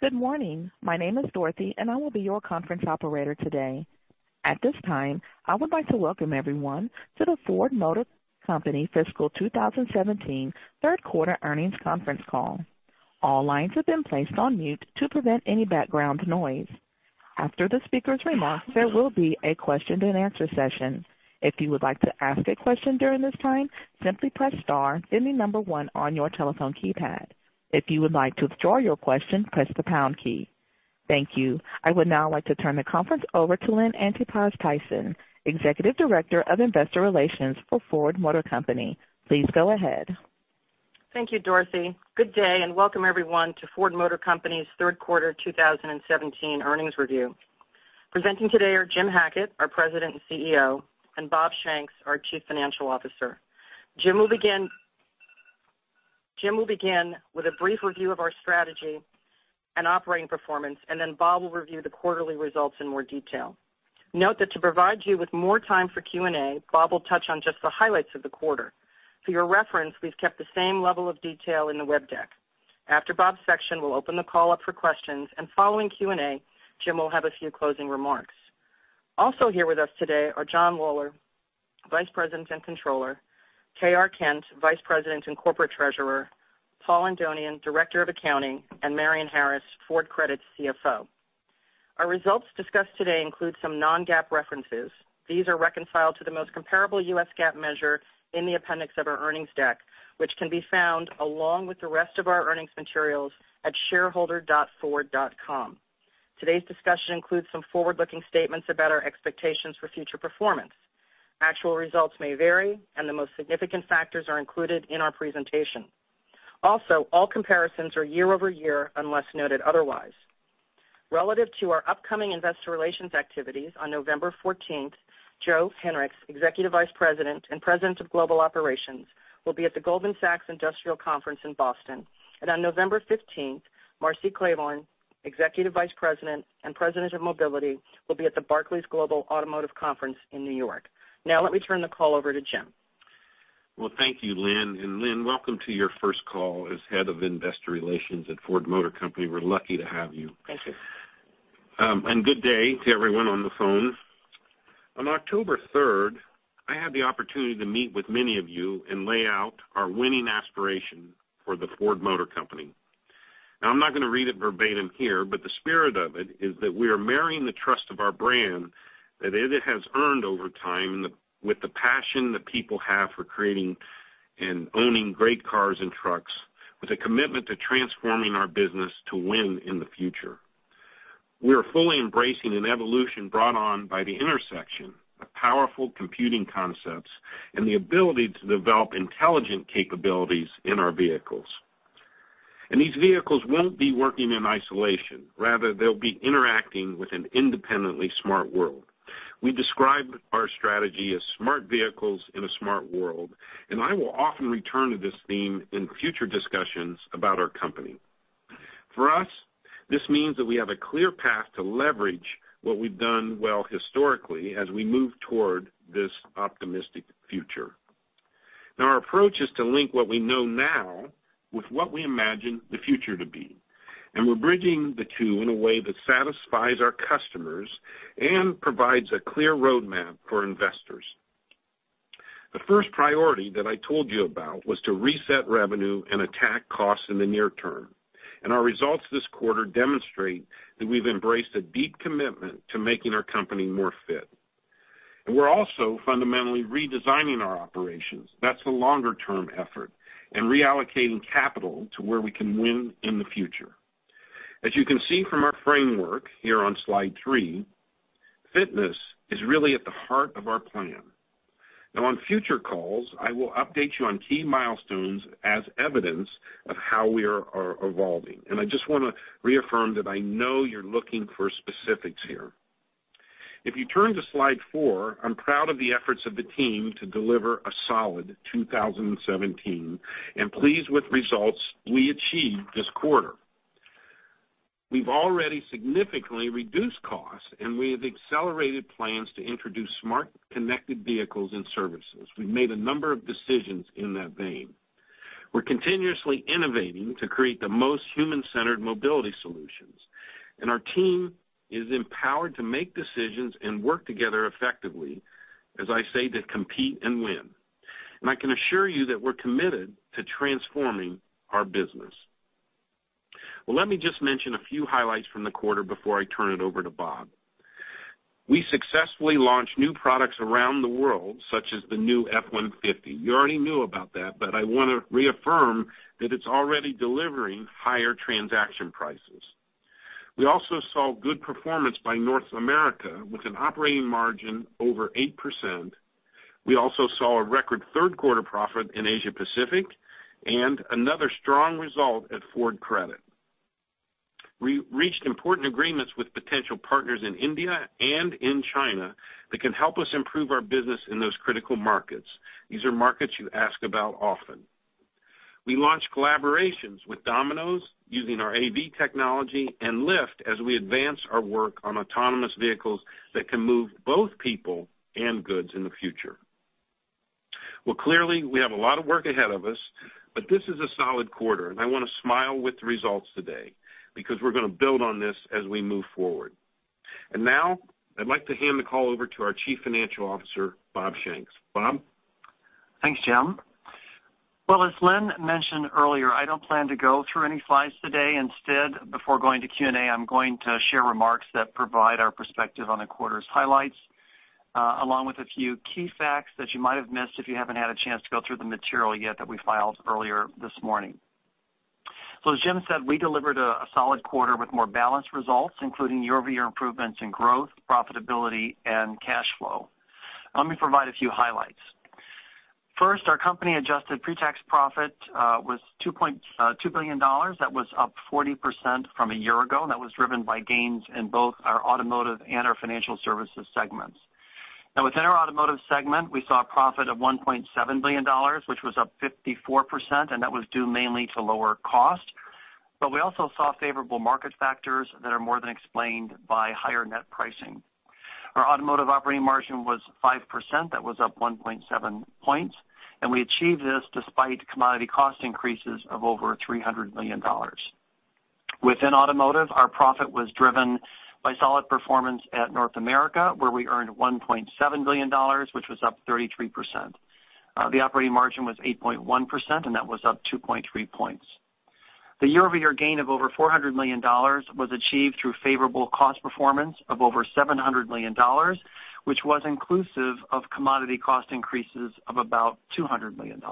Good morning. My name is Dorothy, and I will be your conference operator today. At this time, I would like to welcome everyone to the Ford Motor Company Fiscal 2017 Third Quarter Earnings Conference Call. All lines have been placed on mute to prevent any background noise. After the speaker's remarks, there will be a question and answer session. If you would like to ask a question during this time, simply press star, then the number one on your telephone keypad. If you would like to withdraw your question, press the pound key. Thank you. I would now like to turn the conference over to Lynn Antipas Tyson, Executive Director of Investor Relations for Ford Motor Company. Please go ahead. Thank you, Dorothy. Good day, welcome everyone to Ford Motor Company's third quarter 2017 earnings review. Presenting today are Jim Hackett, our President and CEO, and Bob Shanks, our Chief Financial Officer. Jim will begin with a brief review of our strategy and operating performance. Bob will review the quarterly results in more detail. Note that to provide you with more time for Q&A, Bob will touch on just the highlights of the quarter. For your reference, we've kept the same level of detail in the web deck. After Bob's section, we'll open the call up for questions. Following Q&A, Jim will have a few closing remarks. Here with us today are John Lawler, Vice President and Controller, T.R. Kent, Vice President and Corporate Treasurer, Paul Andonian, Director of Accounting, and Marion Harris, Ford Credit's CFO. Our results discussed today include some non-GAAP references. These are reconciled to the most comparable U.S. GAAP measure in the appendix of our earnings deck, which can be found along with the rest of our earnings materials at shareholder.ford.com. Today's discussion includes some forward-looking statements about our expectations for future performance. Actual results may vary, the most significant factors are included in our presentation. All comparisons are year-over-year, unless noted otherwise. Relative to our upcoming investor relations activities on November 14th, Joe Hinrichs, Executive Vice President and President of Global Operations, will be at the Goldman Sachs Industrial Conference in Boston. On November 15th, Marcy Klevorn, Executive Vice President and President of Mobility, will be at the Barclays Global Automotive Conference in New York. Let me turn the call over to Jim. Well, thank you, Lynn. Lynn, welcome to your first call as Head of Investor Relations at Ford Motor Company. We're lucky to have you. Thank you. Good day to everyone on the phone. On October 3rd, I had the opportunity to meet with many of you and lay out our winning aspiration for the Ford Motor Company. Now, I'm not gonna read it verbatim here, but the spirit of it is that we are marrying the trust of our brand, that it has earned over time, with the passion that people have for creating and owning great cars and trucks, with a commitment to transforming our business to win in the future. We are fully embracing an evolution brought on by the intersection of powerful computing concepts and the ability to develop intelligent capabilities in our vehicles. These vehicles won't be working in isolation. Rather, they'll be interacting with an independently smart world. We describe our strategy as smart vehicles in a smart world, and I will often return to this theme in future discussions about our company. For us, this means that we have a clear path to leverage what we've done well historically as we move toward this optimistic future. Our approach is to link what we know now with what we imagine the future to be. We're bridging the two in a way that satisfies our customers and provides a clear roadmap for investors. The first priority that I told you about was to reset revenue and attack costs in the near term. Our results this quarter demonstrate that we've embraced a deep commitment to making our company more fit. We're also fundamentally redesigning our operations, that's a longer-term effort, and reallocating capital to where we can win in the future. As you can see from our framework here on slide three, fitness is really at the heart of our plan. On future calls, I will update you on key milestones as evidence of how we are evolving. I just wanna reaffirm that I know you're looking for specifics here. If you turn to slide four, I'm proud of the efforts of the team to deliver a solid 2017 and pleased with results we achieved this quarter. We've already significantly reduced costs, and we have accelerated plans to introduce smart, connected vehicles and services. We've made a number of decisions in that vein. We're continuously innovating to create the most human-centered mobility solutions, and our team is empowered to make decisions and work together effectively, as I say, to compete and win. I can assure you that we're committed to transforming our business. Let me just mention a few highlights from the quarter before I turn it over to Bob. We successfully launched new products around the world, such as the new F-150. You already knew about that, but I want to reaffirm that it's already delivering higher transaction prices. We also saw good performance by North America, with an operating margin over 8%. We also saw a record third-quarter profit in Asia Pacific and another strong result at Ford Credit. We reached important agreements with potential partners in India and in China that can help us improve our business in those critical markets. These are markets you ask about often. We launched collaborations with Domino's using our AV technology and Lyft as we advance our work on autonomous vehicles that can move both people and goods in the future. Clearly, we have a lot of work ahead of us, but this is a solid quarter, and I want to smile with the results today because we're going to build on this as we move forward. Now I'd like to hand the call over to our Chief Financial Officer, Bob Shanks. Bob? Thanks, Jim. As Lynn mentioned earlier, I don't plan to go through any slides today. Instead, before going to Q&A, I'm going to share remarks that provide our perspective on the quarter's highlights, along with a few key facts that you might have missed if you haven't had a chance to go through the material yet that we filed earlier this morning. As Jim said, we delivered a solid quarter with more balanced results, including year-over-year improvements in growth, profitability, and cash flow. Let me provide a few highlights. First, our company-adjusted pre-tax profit was $2.2 billion. That was up 40% from a year ago, and that was driven by gains in both our automotive and our financial services segments. Within our automotive segment, we saw a profit of $1.7 billion, which was up 54%, and that was due mainly to lower cost. We also saw favorable market factors that are more than explained by higher net pricing. Our automotive operating margin was 5%. That was up 1.7 points, and we achieved this despite commodity cost increases of over $300 million. Within automotive, our profit was driven by solid performance at North America, where we earned $1.7 billion, which was up 33%. The operating margin was 8.1%, and that was up 2.3 points. The year-over-year gain of over $400 million was achieved through favorable cost performance of over $700 million, which was inclusive of commodity cost increases of about $200 million.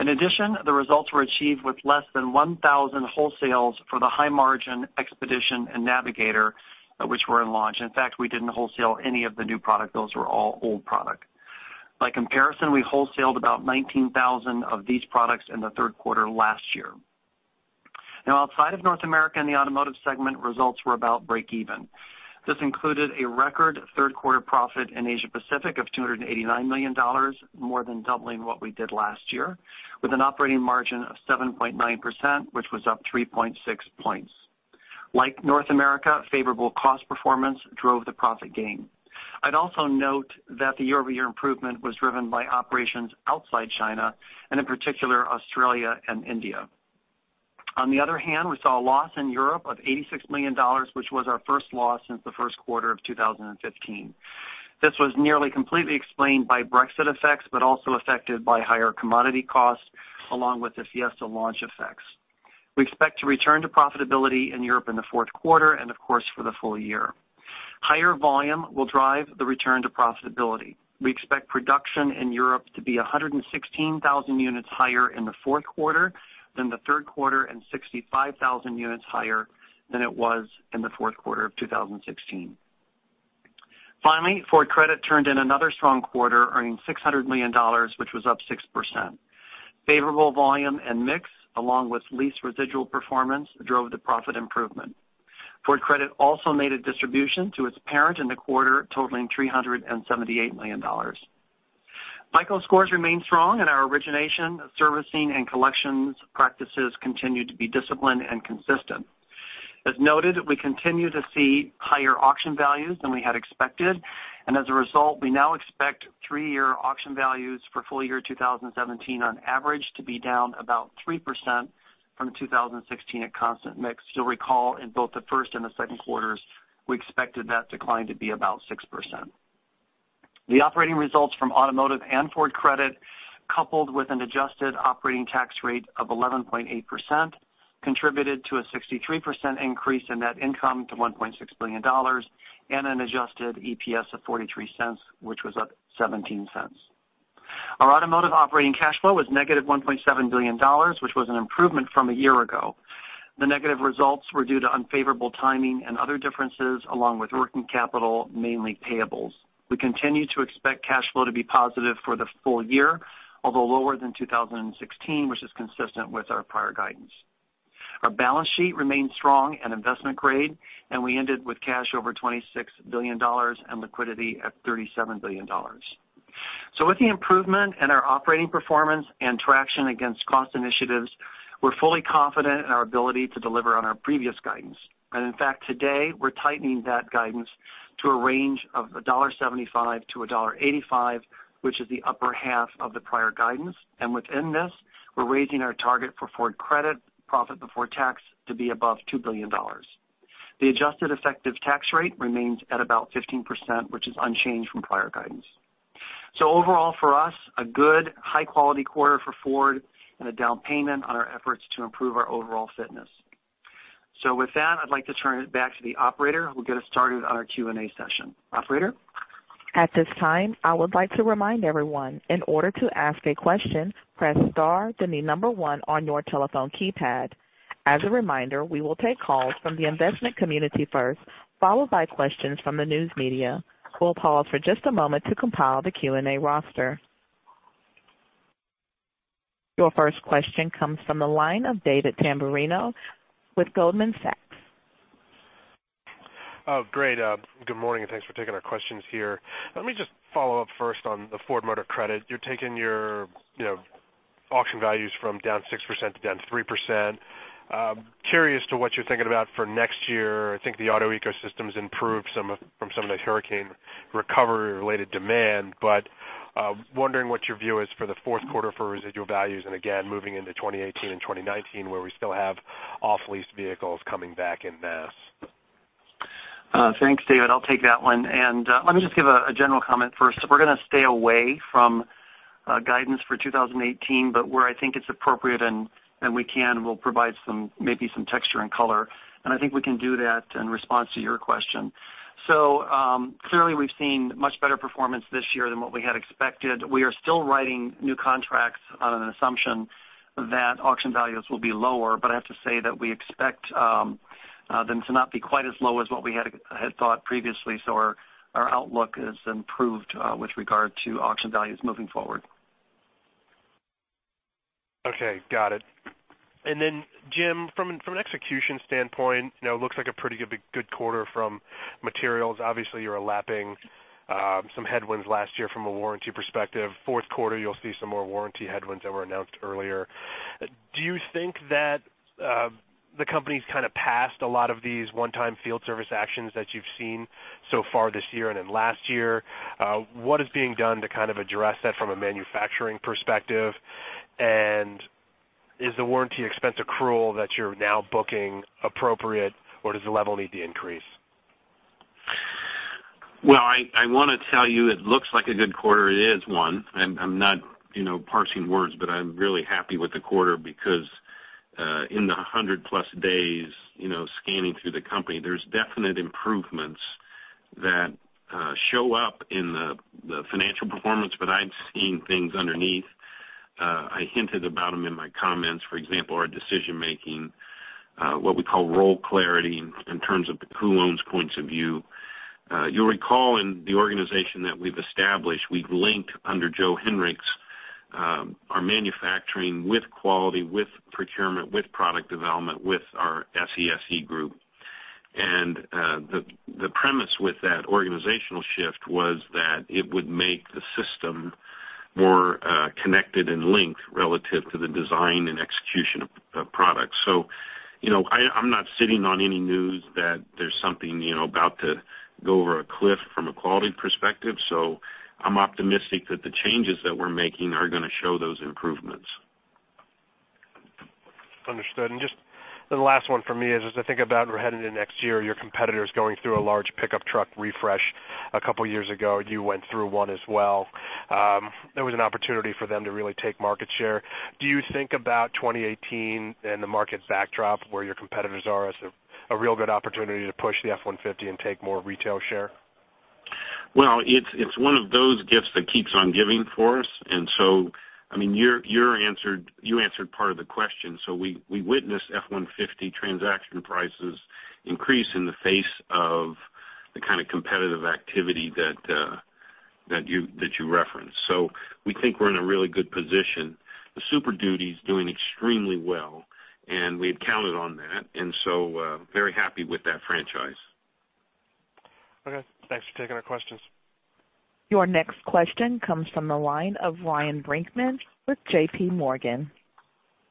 In addition, the results were achieved with less than 1,000 wholesales for the high-margin Expedition and Navigator, which were in launch. In fact, we didn't wholesale any of the new product. Those were all old product. By comparison, we wholesaled about 19,000 of these products in the third quarter last year. Outside of North America in the automotive segment, results were about break even. This included a record third-quarter profit in Asia Pacific of $289 million, more than doubling what we did last year, with an operating margin of 7.9%, which was up 3.6 points. Like North America, favorable cost performance drove the profit gain. I'd also note that the year-over-year improvement was driven by operations outside China and in particular, Australia and India. On the other hand, we saw a loss in Europe of $86 million, which was our first loss since the first quarter of 2015. This was nearly completely explained by Brexit effects, but also affected by higher commodity costs along with the Fiesta launch effects. We expect to return to profitability in Europe in the fourth quarter and of course, for the full year. Higher volume will drive the return to profitability. We expect production in Europe to be 116,000 units higher in the fourth quarter than the third quarter, and 65,000 units higher than it was in the fourth quarter of 2016. Ford Credit turned in another strong quarter, earning $600 million, which was up 6%. Favorable volume and mix, along with lease residual performance, drove the profit improvement. Ford Credit also made a distribution to its parent in the quarter, totaling $378 million. FICO scores remain strong and our origination, servicing, and collections practices continue to be disciplined and consistent. As noted, we continue to see higher auction values than we had expected, and as a result, we now expect three-year auction values for full-year 2017 on average to be down about 3% from 2016 at constant mix. You'll recall in both the first and the second quarters, we expected that decline to be about 6%. The operating results from automotive and Ford Credit, coupled with an adjusted operating tax rate of 11.8%, contributed to a 63% increase in net income to $1.6 billion and an adjusted EPS of $0.43, which was up $0.17. Our automotive operating cash flow was negative $1.7 billion, which was an improvement from a year ago. The negative results were due to unfavorable timing and other differences, along with working capital, mainly payables. We continue to expect cash flow to be positive for the full year, although lower than 2016, which is consistent with our prior guidance. Our balance sheet remains strong and investment grade, and we ended with cash over $26 billion and liquidity at $37 billion. With the improvement in our operating performance and traction against cost initiatives, we're fully confident in our ability to deliver on our previous guidance. In fact, today, we're tightening that guidance to a range of $1.75-$1.85, which is the upper half of the prior guidance. Within this, we're raising our target for Ford Credit profit before tax to be above $2 billion. The adjusted effective tax rate remains at about 15%, which is unchanged from prior guidance. Overall for us, a good high-quality quarter for Ford and a down payment on our efforts to improve our overall fitness. With that, I'd like to turn it back to the operator who will get us started on our Q&A session. Operator? At this time, I would like to remind everyone, in order to ask a question, press star, then the number one on your telephone keypad. As a reminder, we will take calls from the investment community first, followed by questions from the news media. We'll pause for just a moment to compile the Q&A roster. Your first question comes from the line of David Tamberrino with Goldman Sachs. Great. Good morning, thanks for taking our questions here. Let me just follow up first on the Ford Motor Credit. You're taking your Auction values from down 6% to down 3%. Curious to what you're thinking about for next year. I think the auto ecosystem's improved from some of the hurricane recovery related demand, wondering what your view is for the fourth quarter for residual values, and again, moving into 2018 and 2019, where we still have off-lease vehicles coming back en masse. Thanks, David. I'll take that one. Let me just give a general comment first. We're going to stay away from guidance for 2018, where I think it's appropriate and we can, we'll provide maybe some texture and color, and I think we can do that in response to your question. Clearly we've seen much better performance this year than what we had expected. We are still writing new contracts on an assumption that auction values will be lower, I have to say that we expect them to not be quite as low as what we had thought previously. Our outlook has improved with regard to auction values moving forward. Got it. Then Jim, from an execution standpoint, it looks like a pretty good quarter from materials. Obviously, you're lapping some headwinds last year from a warranty perspective. Fourth quarter, you'll see some more warranty headwinds that were announced earlier. Do you think that the company's kind of passed a lot of these one-time field service actions that you've seen so far this year and in last year? What is being done to kind of address that from a manufacturing perspective? Is the warranty expense accrual that you're now booking appropriate, or does the level need to increase? I want to tell you it looks like a good quarter. It is one. I'm not parsing words, but I'm really happy with the quarter because, in the 100-plus days scanning through the company, there's definite improvements that show up in the financial performance. I'm seeing things underneath. I hinted about them in my comments. For example, our decision-making, what we call role clarity in terms of the who owns points of view. You'll recall in the organization that we've established, we've linked under Joe Hinrichs, our manufacturing with quality, with procurement, with product development, with our SCSE group. The premise with that organizational shift was that it would make the system more connected and linked relative to the design and execution of products. I'm not sitting on any news that there's something about to go over a cliff from a quality perspective. I'm optimistic that the changes that we're making are going to show those improvements. Understood. Just the last one from me is, as I think about we're heading into next year, your competitor's going through a large pickup truck refresh. A couple of years ago, you went through one as well. There was an opportunity for them to really take market share. Do you think about 2018 and the market backdrop where your competitors are as a real good opportunity to push the F-150 and take more retail share? It's one of those gifts that keeps on giving for us. You answered part of the question. We witnessed F-150 transaction prices increase in the face of the kind of competitive activity that you referenced. We think we're in a really good position. The Super Duty is doing extremely well, and we had counted on that, very happy with that franchise. Okay. Thanks for taking our questions. Your next question comes from the line of Ryan Brinkman with JP Morgan.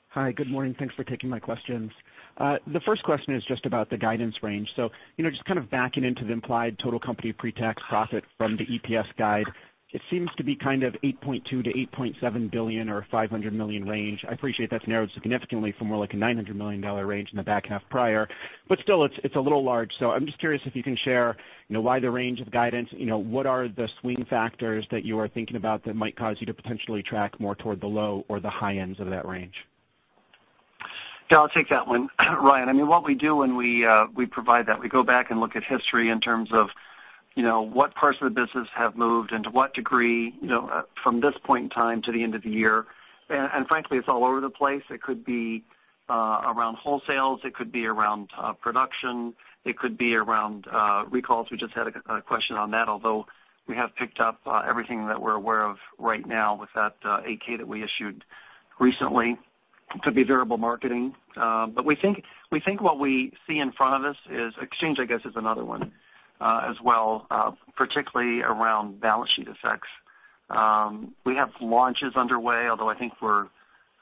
Hi, good morning. Thanks for taking my questions. The first question is just about the guidance range. Just kind of backing into the implied total company pre-tax profit from the EPS guide, it seems to be kind of $8.2 billion-$8.7 billion or $500 million range. I appreciate that's narrowed significantly from more like a $900 million range in the back half prior, but still it's a little large. I'm just curious if you can share why the range of guidance. What are the swing factors that you are thinking about that might cause you to potentially track more toward the low or the high ends of that range? Yeah, I'll take that one, Ryan. What we do when we provide that, we go back and look at history in terms of what parts of the business have moved and to what degree, from this point in time to the end of the year. Frankly, it's all over the place. It could be around wholesales, it could be around production, it could be around recalls. We just had a question on that, although we have picked up everything that we're aware of right now with that 8-K that we issued recently. Could be variable marketing. We think what we see in front of us is exchange, I guess, is another one as well, particularly around balance sheet effects. We have launches underway, although I think we're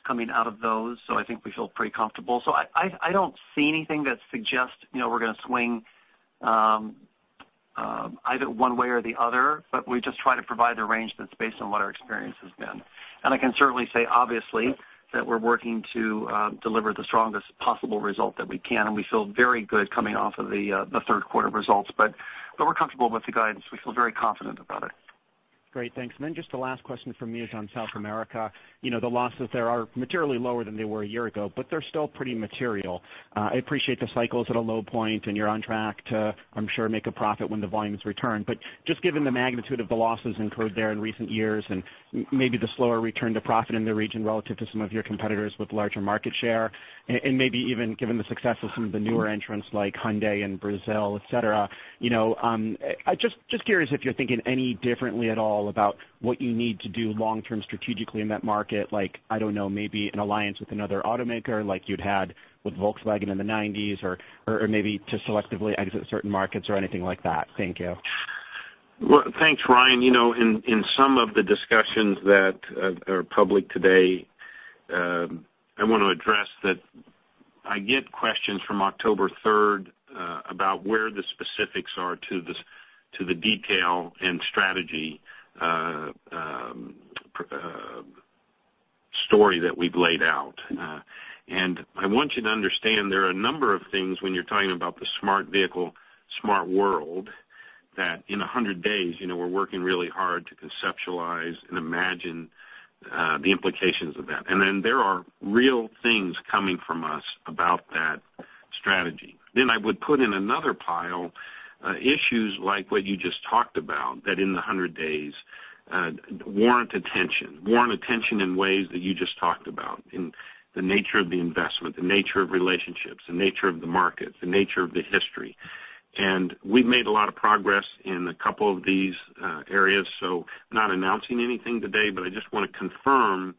coming out of those, I think we feel pretty comfortable. I don't see anything that suggests we're going to swing either one way or the other, but we just try to provide a range that's based on what our experience has been. I can certainly say, obviously, that we're working to deliver the strongest possible result that we can, and we feel very good coming off of the third quarter results. We're comfortable with the guidance. We feel very confident about it. Great. Thanks. Just the last question from me is on South America. The losses there are materially lower than they were a year ago, but they're still pretty material. I appreciate the cycle is at a low point and you're on track to, I'm sure, make a profit when the volumes return. Just given the magnitude of the losses incurred there in recent years and maybe the slower return to profit in the region relative to some of your competitors with larger market share, and maybe even given the success of some of the newer entrants like Hyundai in Brazil, et cetera. Just curious if you're thinking any differently at all about what you need to do long-term strategically in that market, like, I don't know, maybe an alliance with another automaker like you'd had with Volkswagen in the '90s, or maybe to selectively exit certain markets or anything like that. Thank you. Well, thanks, Ryan. In some of the discussions that are public today, I want to address that I get questions from October 3rd about where the specifics are to the detail and strategy story that we've laid out. I want you to understand there are a number of things when you're talking about the smart vehicle, smart world, that in 100 days, we're working really hard to conceptualize and imagine the implications of that. There are real things coming from us about that strategy. I would put in another pile, issues like what you just talked about, that in the 100 days, warrant attention. Warrant attention in ways that you just talked about, in the nature of the investment, the nature of relationships, the nature of the market, the nature of the history. We've made a lot of progress in a couple of these areas. Not announcing anything today, I just want to confirm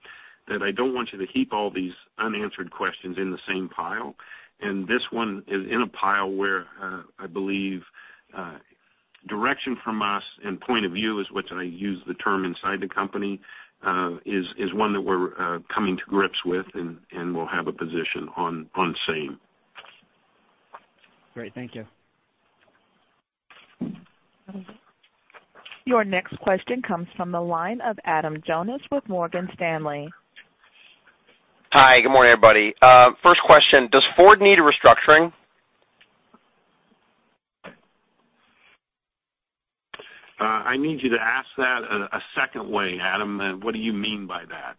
that I don't want you to keep all these unanswered questions in the same pile. This one is in a pile where I believe, direction from us and point of view is what I use the term inside the company, is one that we're coming to grips with and will have a position on same. Great. Thank you. Your next question comes from the line of Adam Jonas with Morgan Stanley. Hi, good morning, everybody. First question, does Ford need a restructuring? I need you to ask that a second way, Adam. What do you mean by that?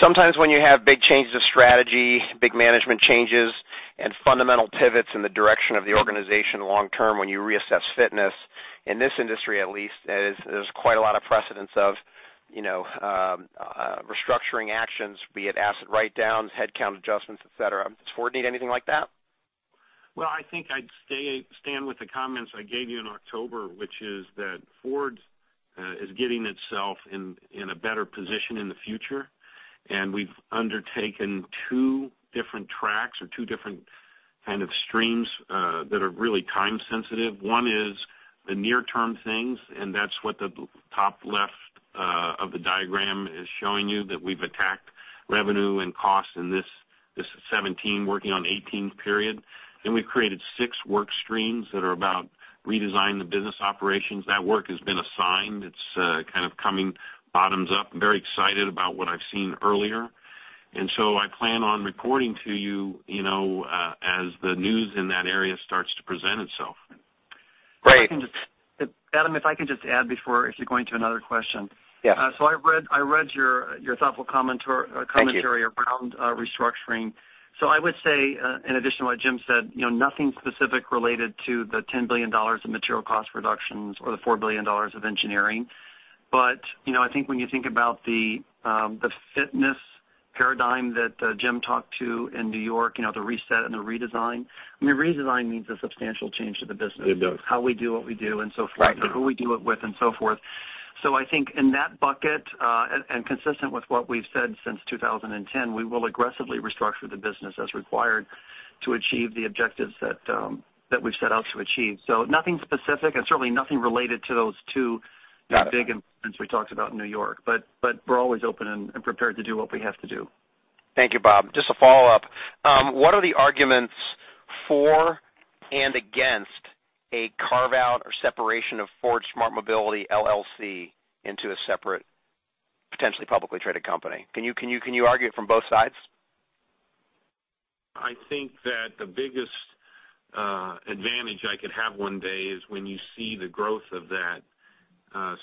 Sometimes when you have big changes of strategy, big management changes, and fundamental pivots in the direction of the organization long term, when you reassess fitness in this industry, at least, there's quite a lot of precedents of restructuring actions, be it asset write-downs, headcount adjustments, et cetera. Does Ford need anything like that? I think I'd stand with the comments I gave you in October, which is that Ford is getting itself in a better position in the future, we've undertaken two different tracks or two different kind of streams that are really time sensitive. One is the near-term things, and that's what the top left of the diagram is showing you, that we've attacked revenue and cost in this 2017 working on 2018 period. We've created six work streams that are about redesign the business operations. That work has been assigned. It's kind of coming bottoms up. Very excited about what I've seen earlier. I plan on reporting to you as the news in that area starts to present itself. Right. Adam, if I could just add before, if you're going to another question. Yeah. I read your thoughtful commentary. Thank you around restructuring. I would say, in addition to what Jim said, nothing specific related to the $10 billion in material cost reductions or the $4 billion of engineering. I think when you think about the fitness paradigm that Jim talked to in New York, the reset and the redesign. Redesign means a substantial change to the business. It does. How we do what we do and so forth. Right. I think in that bucket, and consistent with what we've said since 2010, we will aggressively restructure the business as required to achieve the objectives that we've set out to achieve. Nothing specific and certainly nothing related to those two big we talked about in New York. We're always open and prepared to do what we have to do. Thank you, Bob. Just a follow-up. What are the arguments for and against a carve-out or separation of Ford Smart Mobility LLC into a separate, potentially publicly traded company? Can you argue it from both sides? I think that the biggest advantage I could have one day is when you see the growth of that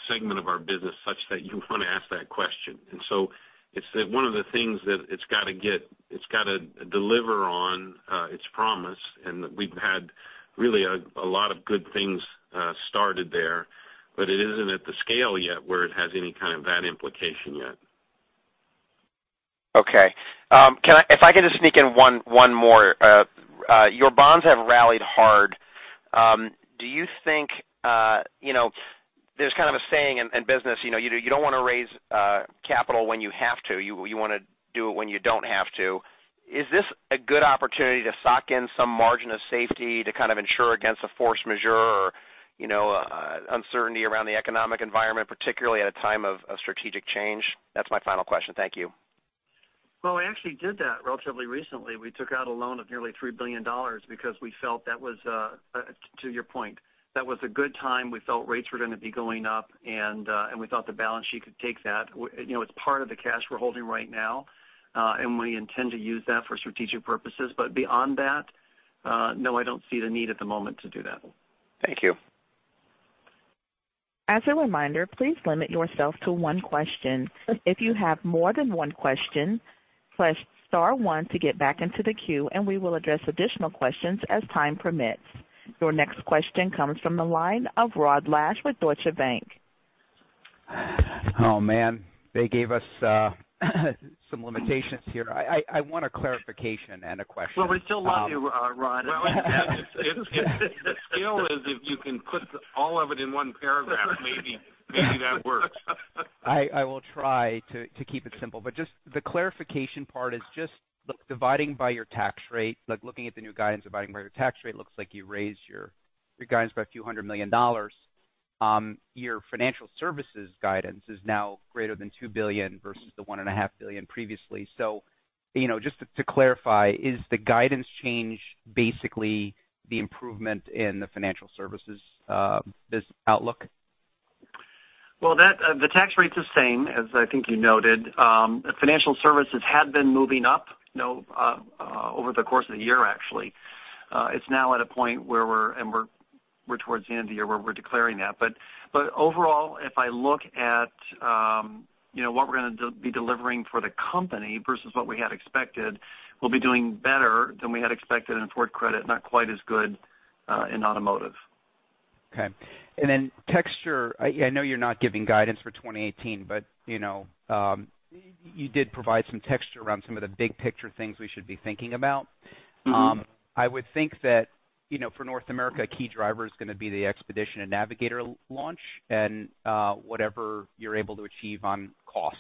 segment of our business such that you want to ask that question. It's one of the things that it's got to deliver on its promise, and we've had really a lot of good things started there, but it isn't at the scale yet where it has any kind of that implication yet. Okay. If I could just sneak in one more. Your bonds have rallied hard. There's kind of a saying in business, you don't want to raise capital when you have to. You want to do it when you don't have to. Is this a good opportunity to sock in some margin of safety to kind of insure against a force majeure or uncertainty around the economic environment, particularly at a time of strategic change? That's my final question. Thank you. Well, we actually did that relatively recently. We took out a loan of nearly $3 billion because we felt that was, to your point, that was a good time. We felt rates were going to be going up and we thought the balance sheet could take that. It's part of the cash we're holding right now. We intend to use that for strategic purposes. Beyond that, no, I don't see the need at the moment to do that. Thank you. As a reminder, please limit yourself to one question. If you have more than one question, press star one to get back into the queue and we will address additional questions as time permits. Your next question comes from the line of Rod Lache with Deutsche Bank. Oh, man. They gave us some limitations here. I want a clarification and a question. We still love you, Rod. If the skill is if you can put all of it in one paragraph, maybe that works. I will try to keep it simple. Just the clarification part is just dividing by your tax rate, looking at the new guidance dividing by your tax rate, looks like you raised your guidance by a few hundred million dollars. Your financial services guidance is now greater than $2 billion versus the $1.5 billion previously. Just to clarify, is the guidance change basically the improvement in the financial services outlook? The tax rate's the same, as I think you noted. Financial services had been moving up over the course of the year, actually. It's now at a point and we're towards the end of the year where we're declaring that. Overall, if I look at what we're going to be delivering for the company versus what we had expected, we'll be doing better than we had expected in Ford Credit, not quite as good in Automotive. Okay. Texture. I know you're not giving guidance for 2018, but you did provide some texture around some of the big picture things we should be thinking about. I would think that, for North America, a key driver is going to be the Expedition and Navigator launch and whatever you're able to achieve on costs.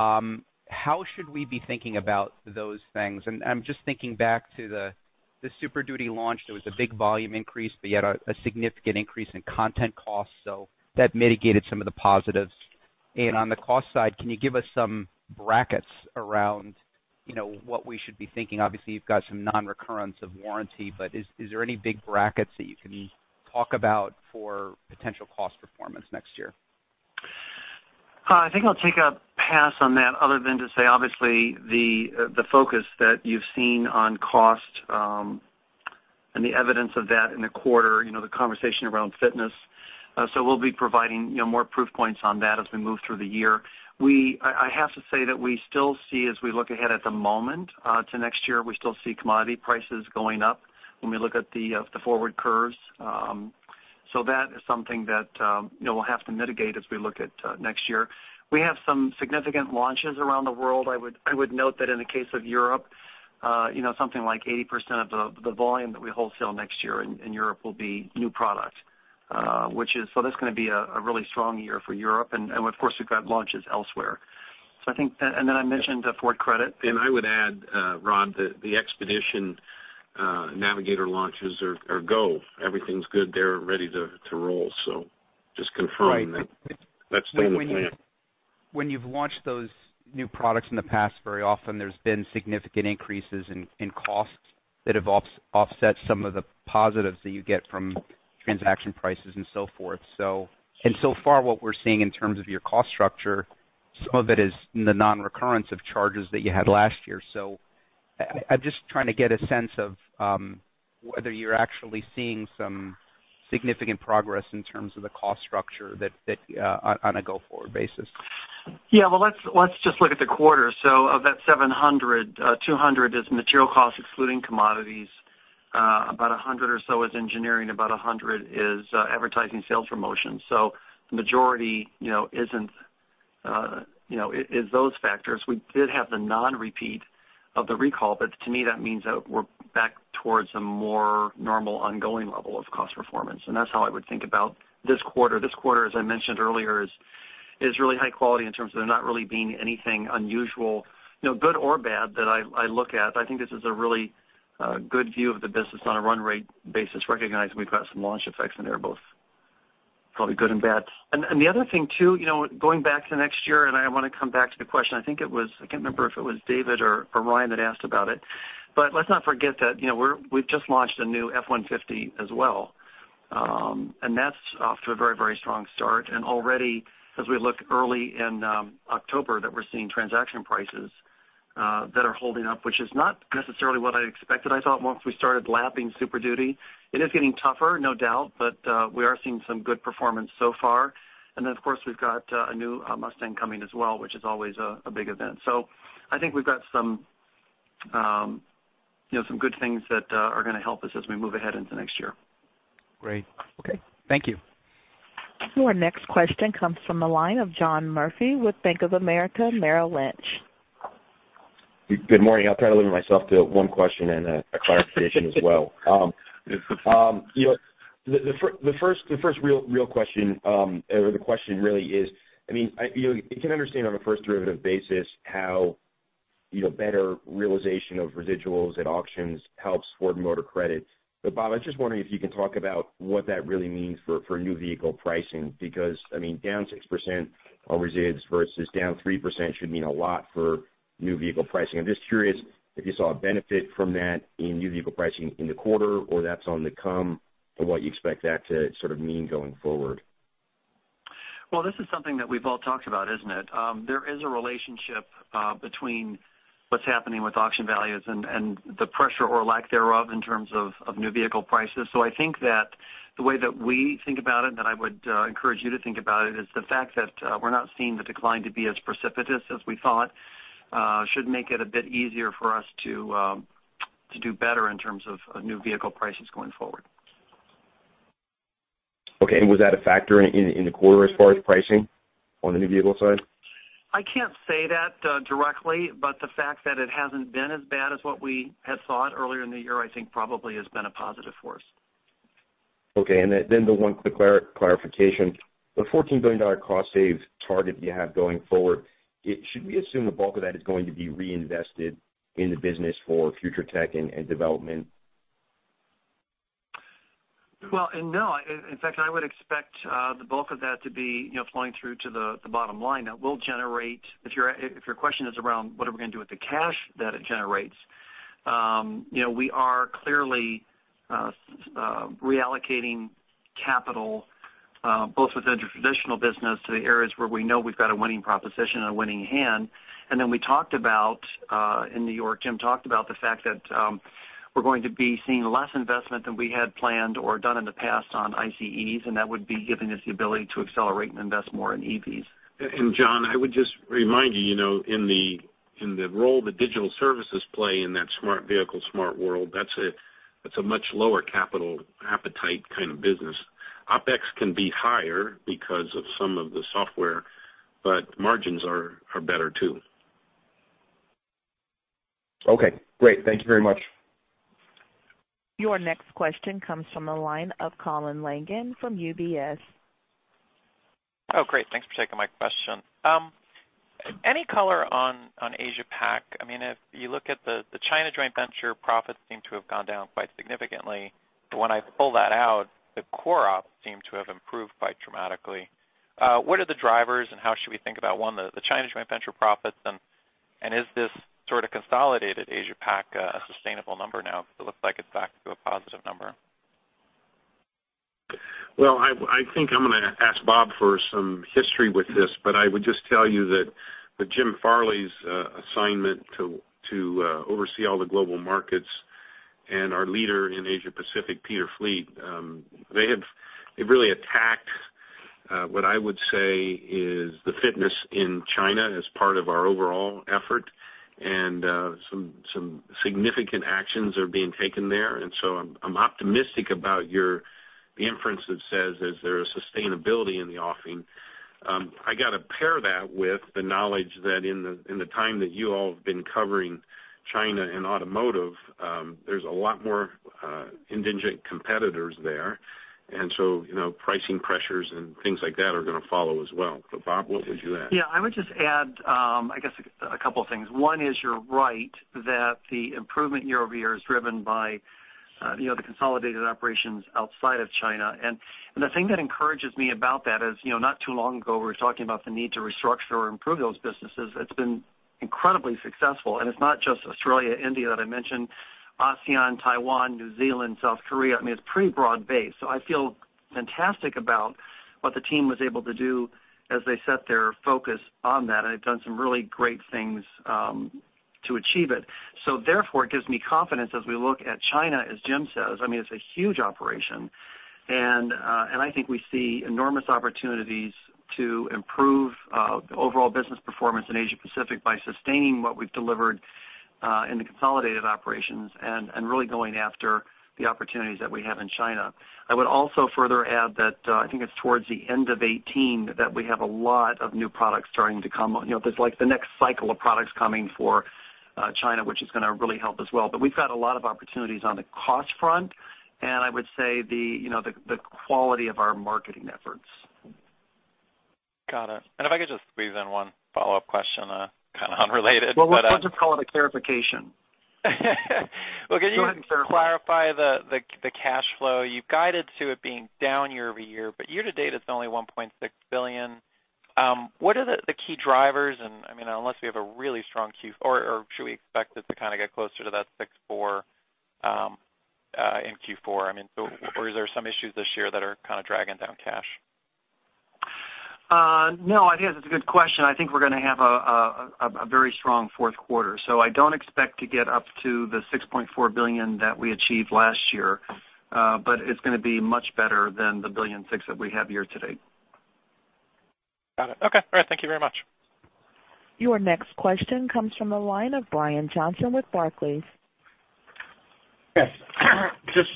How should we be thinking about those things? I'm just thinking back to the Super Duty launch. There was a big volume increase, but you had a significant increase in content costs, so that mitigated some of the positives. On the cost side, can you give us some brackets around what we should be thinking? Obviously, you've got some non-recurrence of warranty, but is there any big brackets that you can talk about for potential cost performance next year? I think I'll take a pass on that other than to say, obviously, the focus that you've seen on cost and the evidence of that in the quarter, the conversation around fitness. We'll be providing more proof points on that as we move through the year. I have to say that we still see as we look ahead at the moment to next year, we still see commodity prices going up when we look at the forward curves. That is something that we'll have to mitigate as we look at next year. We have some significant launches around the world. I would note that in the case of Europe, something like 80% of the volume that we wholesale next year in Europe will be new product. That's going to be a really strong year for Europe. Of course, we've got launches elsewhere. I mentioned Ford Credit. I would add, Rod, that the Expedition Navigator launches are go. Everything's good there, ready to roll. Just confirming that that's still in the plan. When you've launched those new products in the past, very often there's been significant increases in costs that have offset some of the positives that you get from transaction prices and so forth. So far what we're seeing in terms of your cost structure, some of it is in the non-recurrence of charges that you had last year. I'm just trying to get a sense of whether you're actually seeing some significant progress in terms of the cost structure on a go-forward basis. Yeah. Well, let's just look at the quarter. Of that $700, $200 is material costs excluding commodities, about $100 or so is engineering, about $100 is advertising sales promotions. The majority is those factors. We did have the non-repeat of the recall, but to me, that means that we're back towards a more normal ongoing level of cost performance. That's how I would think about this quarter. This quarter, as I mentioned earlier, is really high quality in terms of there not really being anything unusual, good or bad, that I look at. I think this is a really good view of the business on a run rate basis, recognizing we've got some launch effects in there, both probably good and bad. The other thing, too, going back to next year, I want to come back to the question. I can't remember if it was David or Ryan that asked about it. Let's not forget that we've just launched a new F-150 as well. That's off to a very strong start. Already as we look early in October that we're seeing transaction prices that are holding up, which is not necessarily what I expected. I thought once we started lapping Super Duty. It is getting tougher, no doubt, but we are seeing some good performance so far. Then, of course, we've got a new Mustang coming as well, which is always a big event. I think we've got some good things that are going to help us as we move ahead into next year. Great. Okay. Thank you. Our next question comes from the line of John Murphy with Bank of America Merrill Lynch. Good morning. I'll try to limit myself to one question and a clarification as well. The first real question, or the question really is, you can understand on a first derivative basis how better realization of residuals at auctions helps Ford Motor Credit. Bob, I was just wondering if you can talk about what that really means for new vehicle pricing, because down 6% on resids versus down 3% should mean a lot for new vehicle pricing. I'm just curious if you saw a benefit from that in new vehicle pricing in the quarter, or that's on the come and what you expect that to sort of mean going forward. Well, this is something that we've all talked about, isn't it? There is a relationship between what's happening with auction values and the pressure or lack thereof in terms of new vehicle prices. I think that the way that we think about it, and that I would encourage you to think about it, is the fact that we're not seeing the decline to be as precipitous as we thought should make it a bit easier for us to do better in terms of new vehicle prices going forward. Okay. Was that a factor in the quarter as far as pricing on the new vehicle side? I can't say that directly, but the fact that it hasn't been as bad as what we had thought earlier in the year, I think probably has been a positive for us. Okay. The one quick clarification, the $14 billion cost save target you have going forward, should we assume the bulk of that is going to be reinvested in the business for future tech and development? Well, no, in fact, I would expect the bulk of that to be flowing through to the bottom line. That will generate, if your question is around what are we going to do with the cash that it generates, we are clearly reallocating capital both within the traditional business to the areas where we know we've got a winning proposition and a winning hand. We talked about, in New York, Jim talked about the fact that we're going to be seeing less investment than we had planned or done in the past on ICEs, and that would be giving us the ability to accelerate and invest more in EVs. John, I would just remind you, in the role that digital services play in that smart vehicle, smart world, that's a much lower capital appetite kind of business. OPEX can be higher because of some of the software, but margins are better, too. Okay, great. Thank you very much. Your next question comes from the line of Colin Langan from UBS. Great. Thanks for taking my question. Any color on Asia Pac? If you look at the China joint venture profits seem to have gone down quite significantly, but when I pull that out, the core ops seem to have improved quite dramatically. What are the drivers and how should we think about, one, the China joint venture profits, and is this sort of consolidated Asia Pac a sustainable number now? Because it looks like it's back to a positive number. Well, I think I'm going to ask Bob for some history with this, but I would just tell you that with Jim Farley's assignment to oversee all the global markets and our leader in Asia Pacific, Peter Fleet, they've really attacked what I would say is the fitness in China as part of our overall effort, and some significant actions are being taken there. I'm optimistic about your inference that says, is there a sustainability in the offing? I got to pair that with the knowledge that in the time that you all have been covering China and automotive, there's a lot more indigenous competitors there, pricing pressures and things like that are going to follow as well. Bob, what would you add? Yeah, I would just add, I guess, a couple of things. One is you're right that the improvement year-over-year is driven by the consolidated operations outside of China. The thing that encourages me about that is, not too long ago, we were talking about the need to restructure or improve those businesses. It's been incredibly successful. It's not just Australia, India that I mentioned, ASEAN, Taiwan, New Zealand, South Korea. It's pretty broad-based. I feel fantastic about what the team was able to do as they set their focus on that, and they've done some really great things to achieve it. Therefore, it gives me confidence as we look at China, as Jim says. It's a huge operation, and I think we see enormous opportunities to improve overall business performance in Asia Pacific by sustaining what we've delivered in the consolidated operations and really going after the opportunities that we have in China. I would also further add that I think it's towards the end of 2018 that we have a lot of new products starting to come. There's the next cycle of products coming for China, which is going to really help as well. We've got a lot of opportunities on the cost front, and I would say the quality of our marketing efforts. Got it. If I could just squeeze in one follow-up question, kind of unrelated. Well, let's just call it a clarification. Well, can you- Go ahead and clarify. Clarify the cash flow? You've guided to it being down year-over-year, but year-to-date, it's only $1.6 billion. What are the key drivers and, unless we have a really strong Q4, or should we expect it to kind of get closer to that six four in Q4? Or is there some issues this year that are kind of dragging down cash? I guess it's a good question. I think we're going to have a very strong fourth quarter. I don't expect to get up to the $6.4 billion that we achieved last year. It's going to be much better than the $1.6 billion that we have year-to-date. Got it. Okay. All right. Thank you very much. Your next question comes from the line of Brian Johnson with Barclays. Just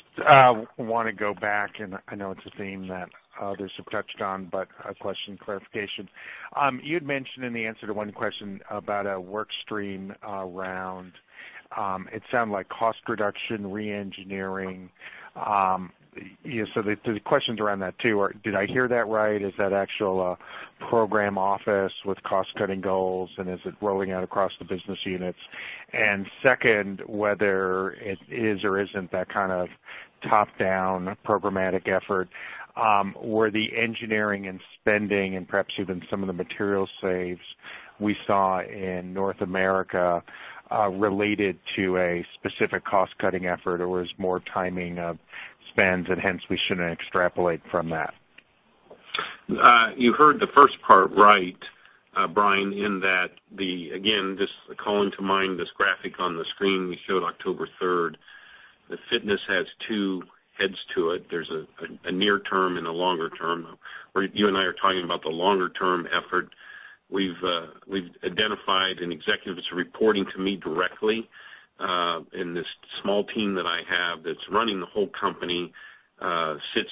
want to go back, and I know it's a theme that others have touched on, but a question clarification. You'd mentioned in the answer to one question about a work stream around, it sounded like cost reduction, re-engineering. The question's around that, too. Did I hear that right? Is that actual program office with cost-cutting goals, and is it rolling out across the business units? Second, whether it is or isn't that kind of top-down programmatic effort, were the engineering and spending and perhaps even some of the material saves we saw in North America related to a specific cost-cutting effort, or was more timing of spends and hence we shouldn't extrapolate from that? You heard the first part right, Brian, in that just calling to mind this graphic on the screen we showed October 3rd, that fitness has two heads to it. There's a near term and a longer term. You and I are talking about the longer-term effort. We've identified an executive that's reporting to me directly, in this small team that I have that's running the whole company, sits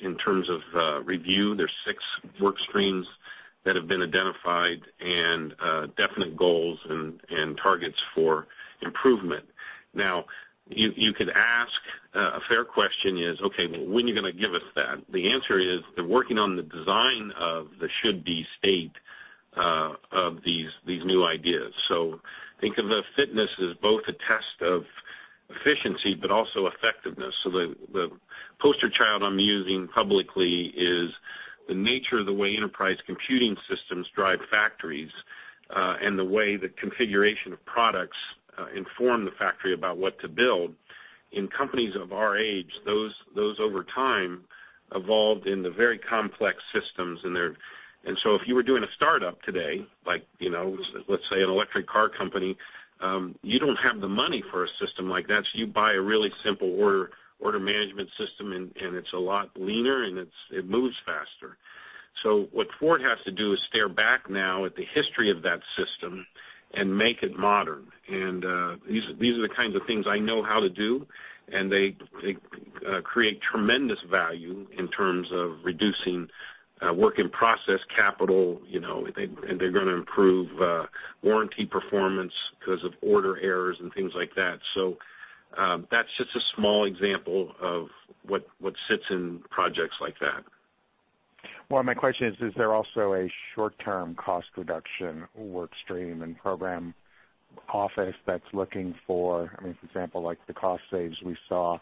in terms of review. There's six work streams that have been identified and definite goals and targets for improvement. You could ask a fair question is, okay, well, when are you going to give us that? The answer is, they're working on the design of the should-be state of these new ideas. Think of the fitness as both a test of efficiency but also effectiveness. The poster child I'm using publicly is the nature of the way enterprise computing systems drive factories, and the way the configuration of products inform the factory about what to build. In companies of our age, those over time evolved into very complex systems. If you were doing a startup today, like let's say an electric car company, you don't have the money for a system like that. You buy a really simple order management system, and it's a lot leaner and it moves faster. What Ford has to do is stare back now at the history of that system and make it modern. These are the kinds of things I know how to do, and they create tremendous value in terms of reducing work in process capital, and they're going to improve warranty performance because of order errors and things like that. That's just a small example of what sits in projects like that. Well, my question is there also a short-term cost reduction work stream and program office that's looking for, I mean, for example, like the cost saves we saw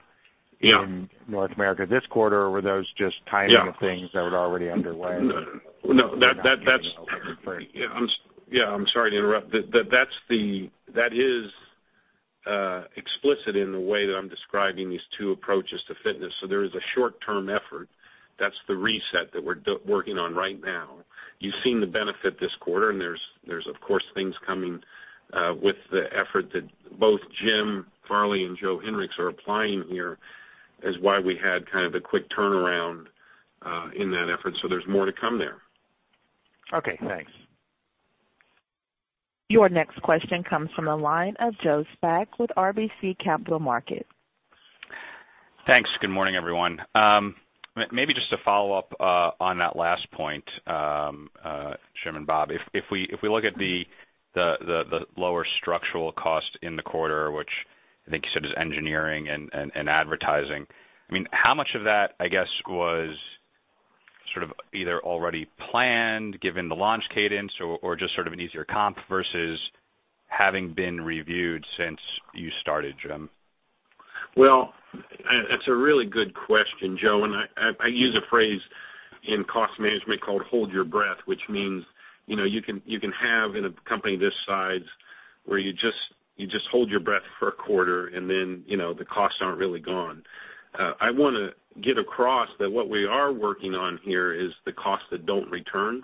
Yeah in North America this quarter, or were those just tiny things that were already underway? No, I'm sorry to interrupt. That is explicit in the way that I'm describing these two approaches to fitness. There is a short-term effort. That's the reset that we're working on right now. You've seen the benefit this quarter, there's, of course, things coming with the effort that both Jim Farley and Joe Hinrichs are applying here is why we had kind of a quick turnaround in that effort. There's more to come there. Okay, thanks. Your next question comes from the line of Joseph Spak with RBC Capital Markets. Thanks. Good morning, everyone. Just to follow up on that last point, Jim and Bob, if we look at the lower structural cost in the quarter, which I think you said is engineering and advertising. How much of that, I guess, was sort of either already planned given the launch cadence or just sort of an easier comp versus having been reviewed since you started, Jim? That's a really good question, Joe, I use a phrase in cost management called "hold your breath," which means, you can have in a company this size where you just hold your breath for a quarter and then the costs aren't really gone. I want to get across that what we are working on here is the costs that don't return.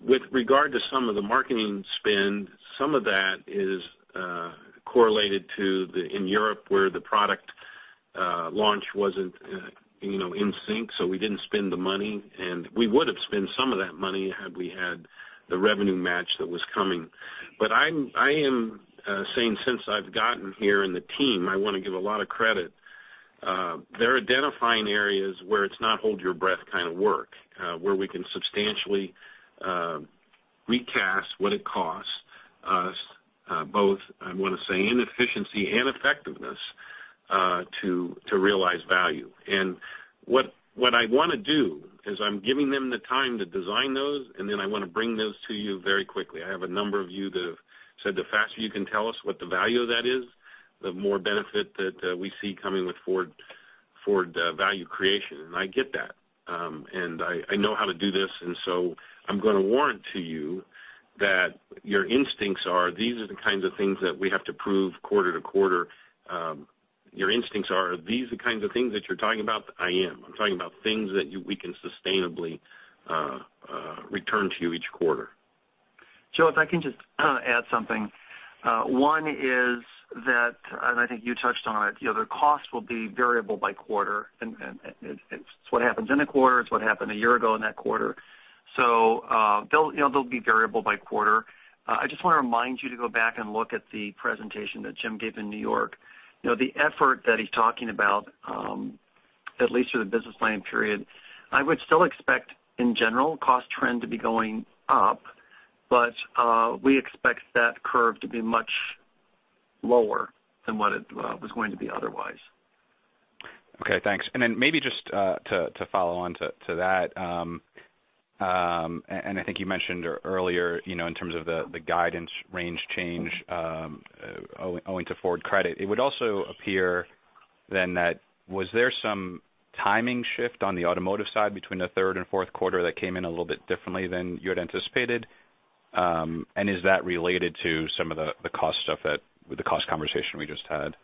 With regard to some of the marketing spend, some of that is correlated to in Europe, where the product launch wasn't in sync, so we didn't spend the money. We would've spent some of that money had we had the revenue match that was coming. I am saying since I've gotten here in the team, I want to give a lot of credit. They're identifying areas where it's not hold your breath kind of work, where we can substantially recast what it costs us both, I want to say, in efficiency and effectiveness to realize value. What I want to do is I'm giving them the time to design those, then I want to bring those to you very quickly. I have a number of you that have said the faster you can tell us what the value of that is, the more benefit that we see coming with Ford value creation. I get that. I know how to do this, so I'm going to warrant to you that your instincts are these are the kinds of things that we have to prove quarter to quarter. Your instincts are these are the kinds of things that you're talking about. I am. I'm talking about things that we can sustainably return to you each quarter. Joe, if I can just add something. One is that, and I think you touched on it, the other costs will be variable by quarter, and it's what happens in a quarter. It's what happened a year ago in that quarter. They'll be variable by quarter. I just want to remind you to go back and look at the presentation that Jim gave in New York. The effort that he's talking about, at least through the business plan period, I would still expect in general cost trend to be going up, but we expect that curve to be much lower than what it was going to be otherwise. Okay, thanks. Maybe just to follow on to that, and I think you mentioned earlier, in terms of the guidance range change owing to Ford Credit. It would also appear that was there some timing shift on the automotive side between the third and fourth quarter that came in a little bit differently than you had anticipated? Is that related to some of the cost stuff that, the cost conversation we just had?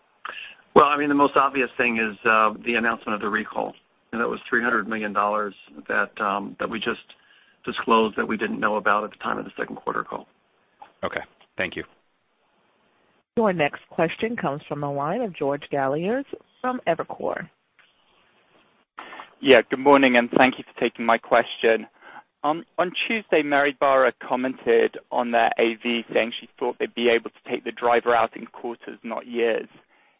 Well, I mean, the most obvious thing is the announcement of the recall. That was $300 million that we just disclosed that we didn't know about at the time of the second quarter call. Okay. Thank you. Your next question comes from the line of George Galliers from Evercore. Yeah, good morning, and thank you for taking my question. On Tuesday, Mary Barra commented on their AV, saying she thought they'd be able to take the driver out in quarters, not years.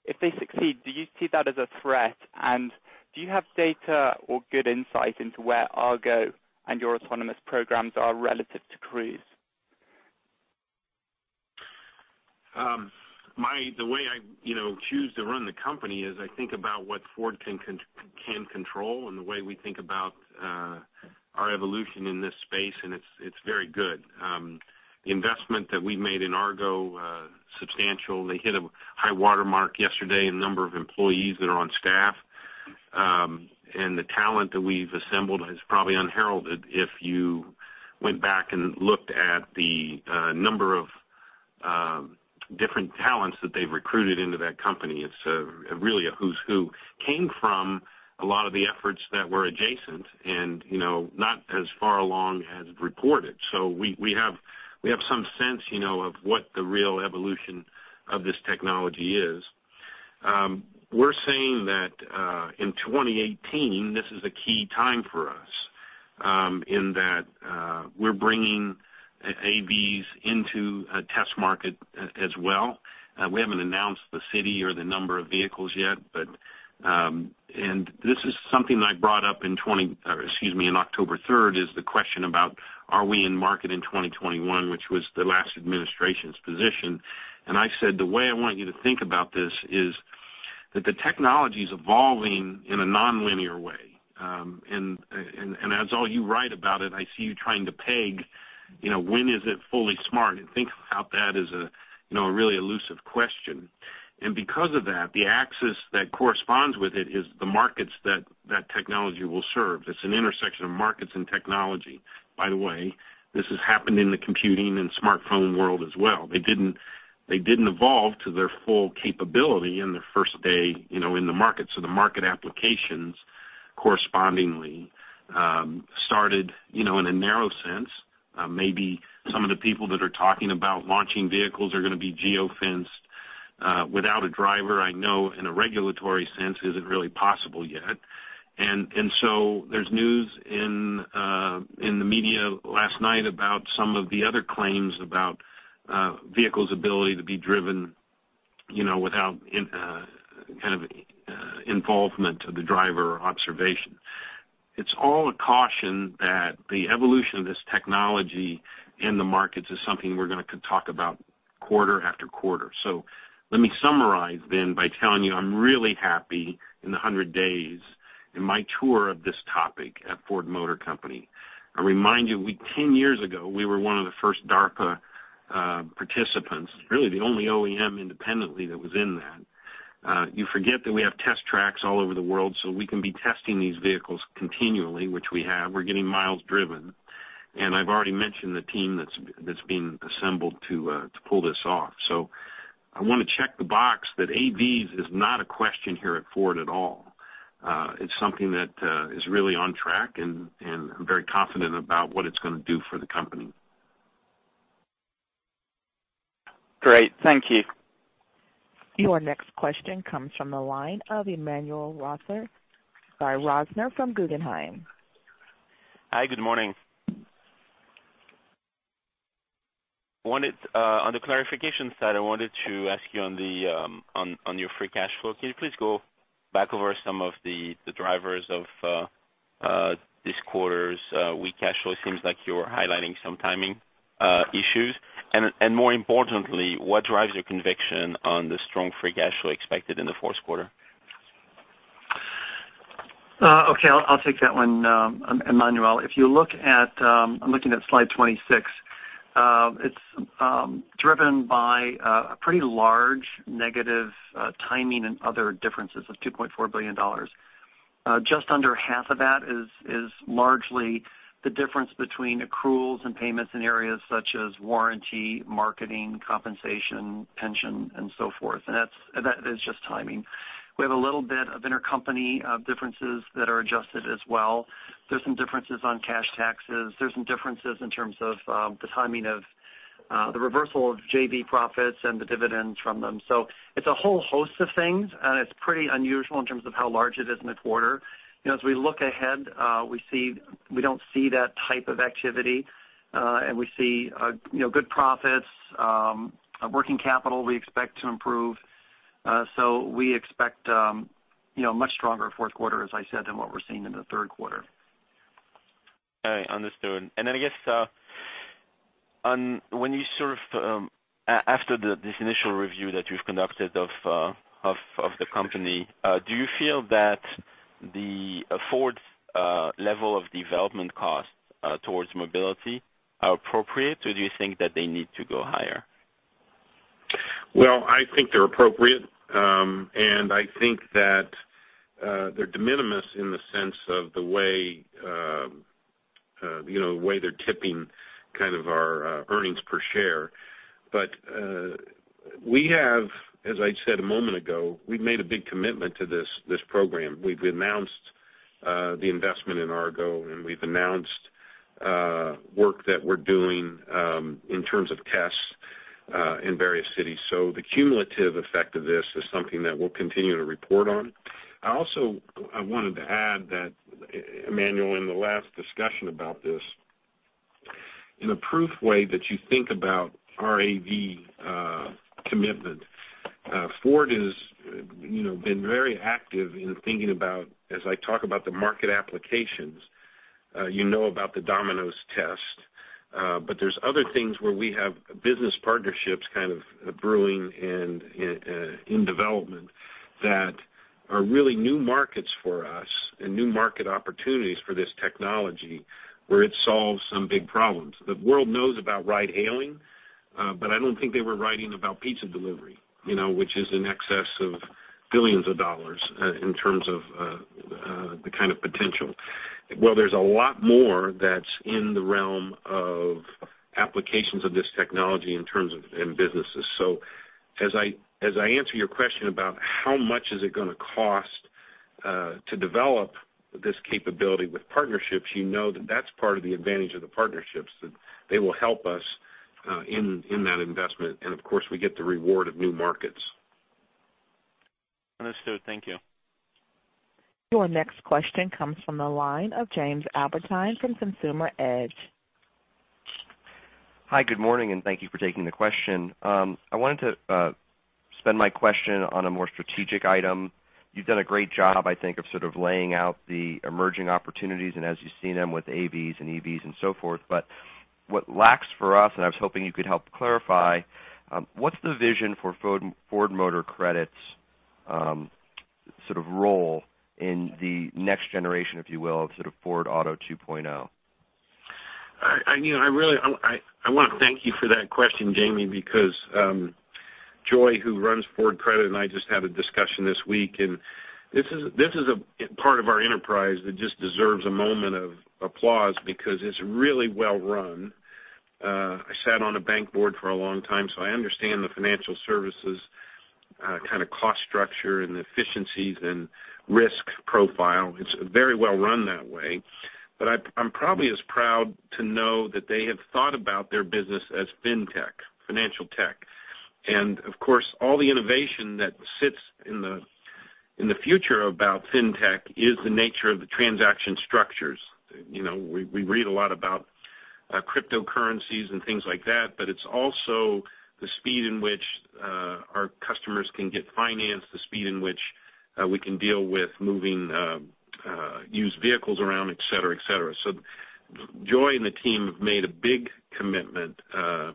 If they succeed, do you see that as a threat? Do you have data or good insight into where Argo and your autonomous programs are relative to Cruise? The way I choose to run the company is I think about what Ford can control and the way we think about our evolution in this space, and it's very good. The investment that we've made in Argo, substantial. They hit a high watermark yesterday in the number of employees that are on staff. The talent that we've assembled is probably unheralded if you went back and looked at the number of different talents that they've recruited into that company. It's really a who's who. Came from a lot of the efforts that were adjacent and not as far along as reported. We have some sense of what the real evolution of this technology is. We're saying that in 2018, this is a key time for us, in that we're bringing AVs into a test market as well. We haven't announced the city or the number of vehicles yet, and this is something that I brought up in October 3rd, is the question about are we in market in 2021, which was the last administration's position. I said the way I want you to think about this is that the technology's evolving in a nonlinear way. As all you write about it, I see you trying to peg when is it fully smart? Think about that as a really elusive question. Because of that, the axis that corresponds with it is the markets that that technology will serve. It's an intersection of markets and technology. By the way, this has happened in the computing and smartphone world as well. They didn't evolve to their full capability in their first day in the market. The market applications correspondingly started in a narrow sense. Maybe some of the people that are talking about launching vehicles are going to be geo-fenced. Without a driver, I know in a regulatory sense isn't really possible yet. There's news in the media last night about some of the other claims about vehicles' ability to be driven without involvement of the driver observation. It's all a caution that the evolution of this technology in the markets is something we're going to talk about quarter after quarter. Let me summarize then by telling you I'm really happy in the 100 days in my tour of this topic at Ford Motor Company. I remind you, 10 years ago, we were one of the first DARPA participants, really the only OEM independently that was in that. You forget that we have test tracks all over the world, so we can be testing these vehicles continually, which we have. We're getting miles driven. I've already mentioned the team that's being assembled to pull this off. I want to check the box that AVs is not a question here at Ford at all. It's something that is really on track, and I'm very confident about what it's going to do for the company. Great. Thank you. Your next question comes from the line of Emmanuel Rosner with Guggenheim. Hi. Good morning. On the clarification side, I wanted to ask you on your free cash flow. Can you please go back over some of the drivers of this quarter's weak cash flow? It seems like you're highlighting some timing issues. More importantly, what drives your conviction on the strong free cash flow expected in the fourth quarter? Okay. I'll take that one, Emmanuel. I'm looking at slide 26. It's driven by a pretty large negative timing and other differences of $2.4 billion. Just under half of that is largely the difference between accruals and payments in areas such as warranty, marketing, compensation, pension, and so forth. That is just timing. We have a little bit of intercompany differences that are adjusted as well. There's some differences on cash taxes. There's some differences in terms of the timing of the reversal of JV profits and the dividends from them. It's a whole host of things, and it's pretty unusual in terms of how large it is in the quarter. As we look ahead, we don't see that type of activity, and we see good profits. Working capital we expect to improve. We expect a much stronger fourth quarter, as I said, than what we're seeing in the third quarter. All right. Understood. I guess, after this initial review that you've conducted of the company, do you feel that Ford's level of development costs towards mobility are appropriate, or do you think that they need to go higher? Well, I think they're appropriate. I think that they're de minimis in the sense of the way they're tipping our earnings per share. We have, as I said a moment ago, we've made a big commitment to this program. We've announced the investment in Argo, and we've announced work that we're doing in terms of tests in various cities. The cumulative effect of this is something that we'll continue to report on. I also wanted to add that, Emmanuel, in the last discussion about this in a proof way that you think about AV commitment. Ford has been very active in thinking about, as I talk about the market applications, you know about the Domino's test. There's other things where we have business partnerships kind of brewing and in development that are really new markets for us and new market opportunities for this technology, where it solves some big problems. The world knows about ride hailing, I don't think they were writing about pizza delivery, which is in excess of billions of dollars in terms of the kind of potential. There's a lot more that's in the realm of applications of this technology in terms of businesses. As I answer your question about how much is it going to cost to develop this capability with partnerships, you know that that's part of the advantage of the partnerships, that they will help us in that investment. Of course, we get the reward of new markets. Understood. Thank you. Your next question comes from the line of Jamie Albertine from Consumer Edge. Hi, good morning, and thank you for taking the question. I wanted to spend my question on a more strategic item. You've done a great job, I think, of sort of laying out the emerging opportunities and as you see them with AVs and EVs and so forth. What lacks for us, and I was hoping you could help clarify, what's the vision for Ford Motor Credit's sort of role in the next generation, if you will, of sort of Ford Auto 2.0? I want to thank you for that question, Jamie, because Joy, who runs Ford Credit, and I just had a discussion this week, and this is a part of our enterprise that just deserves a moment of applause because it's really well run. I sat on a bank board for a long time, I understand the financial services kind of cost structure and the efficiencies and risk profile. It's very well run that way. I'm probably as proud to know that they have thought about their business as fintech, financial tech. Of course, all the innovation that sits in the future about fintech is the nature of the transaction structures. We read a lot about cryptocurrencies and things like that, but it's also the speed in which our customers can get financed, the speed in which we can deal with moving used vehicles around, et cetera. Joy and the team have made a big commitment to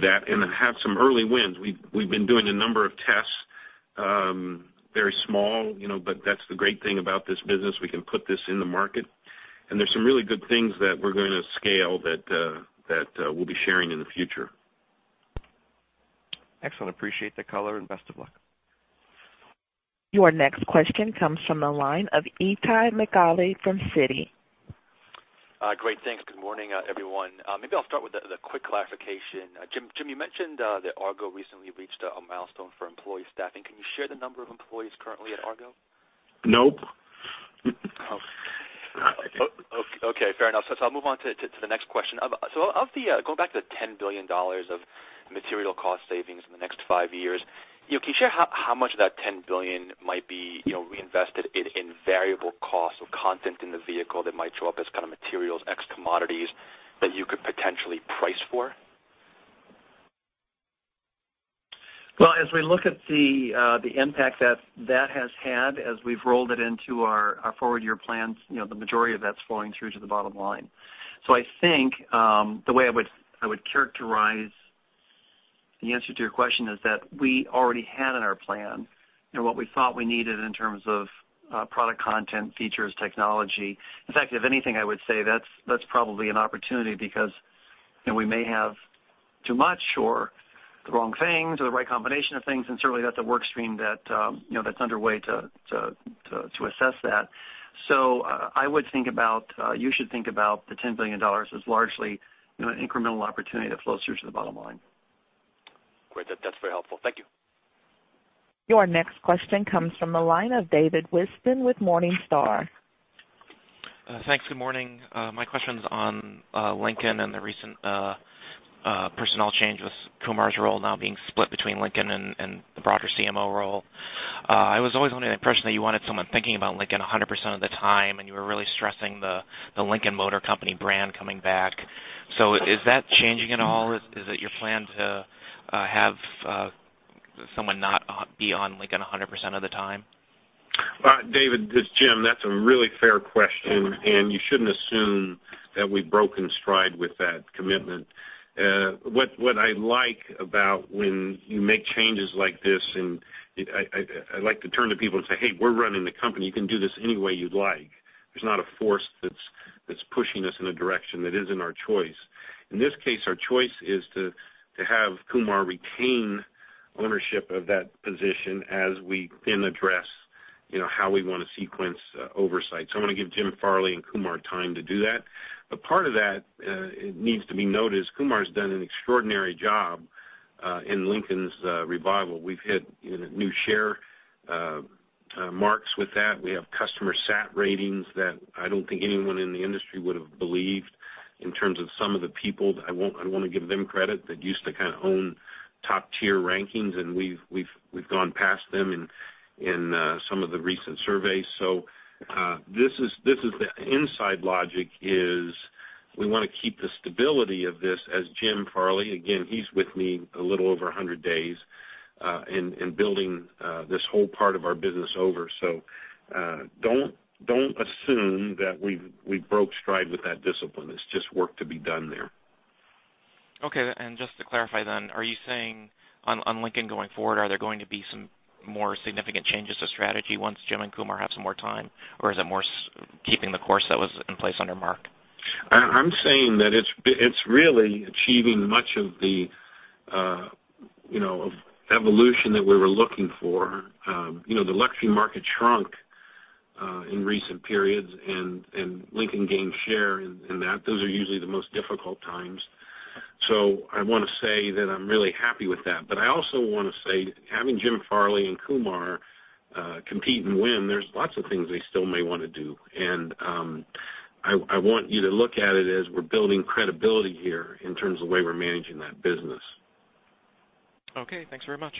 that and have some early wins. We've been doing a number of tests. Very small, but that's the great thing about this business. We can put this in the market. There's some really good things that we're going to scale that we'll be sharing in the future. Excellent. Appreciate the color and best of luck. Your next question comes from the line of Itay Michaeli from Citi. Great, thanks. Good morning, everyone. Maybe I'll start with a quick clarification. Jim, you mentioned that Argo recently reached a milestone for employee staffing. Can you share the number of employees currently at Argo? Nope. Okay, fair enough. I'll move on to the next question. Going back to the $10 billion of material cost savings in the next five years, can you share how much of that $10 billion might be reinvested in variable costs of content in the vehicle that might show up as kind of materials, X commodities that you could potentially price for? Well, as we look at the impact that has had as we've rolled it into our forward year plans, the majority of that's flowing through to the bottom line. I think, the way I would characterize the answer to your question is that we already had in our plan what we thought we needed in terms of product content, features, technology. In fact, if anything, I would say that's probably an opportunity because we may have too much or the wrong things or the right combination of things, and certainly that's a work stream that's underway to assess that. I would think about, you should think about the $10 billion as largely an incremental opportunity that flows through to the bottom line. Great. That's very helpful. Thank you. Your next question comes from the line of David Whiston with Morningstar. Thanks. Good morning. My question's on Lincoln and the recent personnel change with Kumar's role now being split between Lincoln and the broader CMO role. I was always under the impression that you wanted someone thinking about Lincoln 100% of the time, and you were really stressing the Lincoln Motor Company brand coming back. Is that changing at all? Is it your plan to have someone not be on Lincoln 100% of the time? David, this is Jim. That's a really fair question. You shouldn't assume that we've broken stride with that commitment. What I like about when you make changes like this, I like to turn to people and say, "Hey, we're running the company. You can do this any way you'd like." There's not a force that's pushing us in a direction that isn't our choice. In this case, our choice is to have Kumar retain ownership of that position as we then address how we want to sequence oversight. I want to give Jim Farley and Kumar time to do that. Part of that needs to be noticed. Kumar's done an extraordinary job in Lincoln's revival. We've hit new share marks with that. We have customer sat ratings that I don't think anyone in the industry would have believed in terms of some of the people that I want to give them credit that used to kind of own Top-tier rankings, and we've gone past them in some of the recent surveys. The inside logic is we want to keep the stability of this as Jim Farley, again, he's with me a little over 100 days in building this whole part of our business over. Don't assume that we broke stride with that discipline. It's just work to be done there. Okay. Just to clarify then, are you saying on Lincoln going forward, are there going to be some more significant changes to strategy once Jim and Kumar have some more time? Or is it more keeping the course that was in place under Mark? I'm saying that it's really achieving much of the evolution that we were looking for. The luxury market shrunk in recent periods and Lincoln gained share in that. Those are usually the most difficult times. I also want to say, having Jim Farley and Kumar compete and win, there's lots of things they still may want to do. I want you to look at it as we're building credibility here in terms of the way we're managing that business. Okay, thanks very much.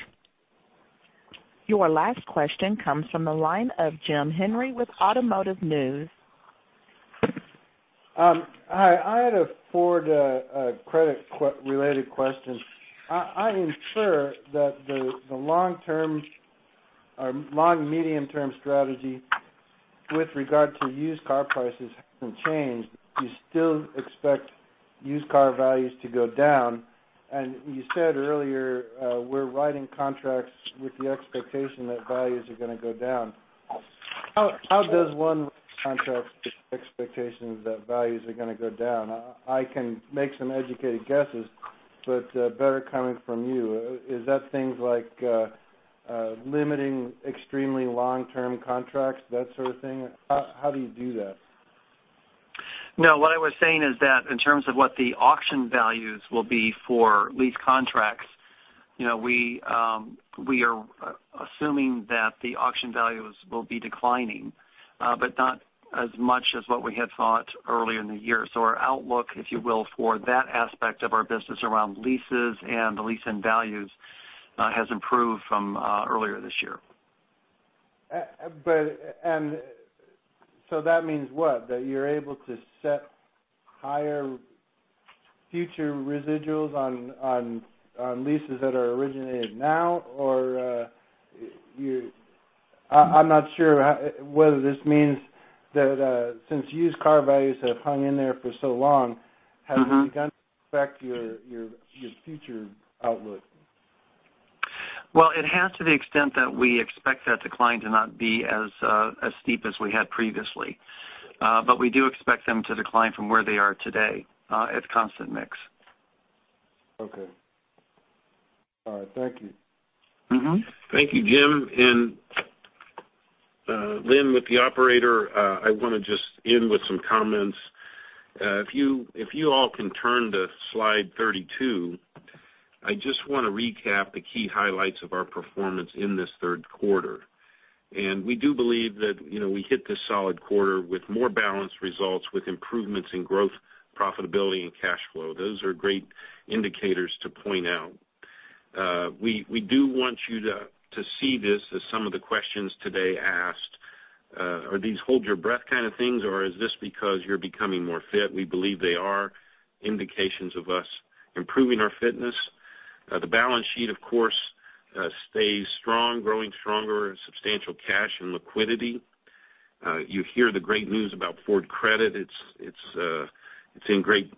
Your last question comes from the line of Jim Henry with Automotive News. Hi. I had a Ford Credit-related question. I infer that the long-medium term strategy with regard to used car prices hasn't changed. Do you still expect used car values to go down? You said earlier we're writing contracts with the expectation that values are going to go down. How does one contract expectations that values are going to go down? I can make some educated guesses, but better coming from you. Is that things like limiting extremely long-term contracts, that sort of thing? How do you do that? No, what I was saying is that in terms of what the auction values will be for lease contracts, we are assuming that the auction values will be declining but not as much as what we had thought earlier in the year. Our outlook, if you will, for that aspect of our business around leases and lease-end values has improved from earlier this year. That means what? That you're able to set higher future residuals on leases that are originated now? I'm not sure whether this means that since used car values have hung in there for so long. has it begun to affect your future outlook? Well, it has to the extent that we expect that decline to not be as steep as we had previously. We do expect them to decline from where they are today at constant mix. Okay. All right. Thank you. Thank you, Jim. Lynn with the operator, I want to just end with some comments. If you all can turn to slide 32, I just want to recap the key highlights of our performance in this third quarter. We do believe that we hit this solid quarter with more balanced results, with improvements in growth, profitability, and cash flow. Those are great indicators to point out. We do want you to see this as some of the questions today asked are these hold your breath kind of things, or is this because you're becoming more fit? We believe they are indications of us improving our fitness. The balance sheet, of course, stays strong, growing stronger, substantial cash and liquidity. You hear the great news about Ford Credit. It's in great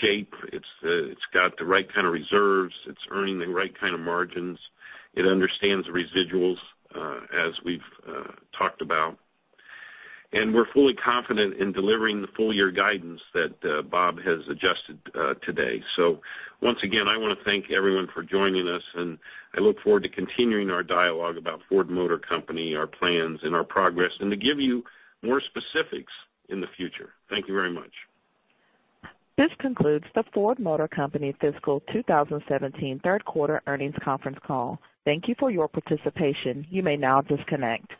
shape. It's got the right kind of reserves. It's earning the right kind of margins. It understands residuals as we've talked about. We're fully confident in delivering the full-year guidance that Bob has adjusted today. Once again, I want to thank everyone for joining us, and I look forward to continuing our dialogue about Ford Motor Company, our plans, and our progress, and to give you more specifics in the future. Thank you very much. This concludes the Ford Motor Company fiscal 2017 third quarter earnings conference call. Thank you for your participation. You may now disconnect.